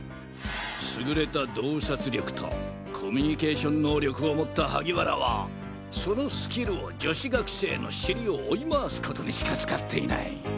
優れた洞察力とコミュニケーション能力を持った萩原はそのスキルを女子学生の尻を追い回す事にしか使っていない。